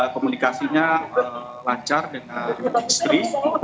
komunikasinya lancar dengan istri